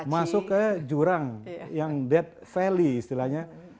masuk ke jurang yang dead value istilahnya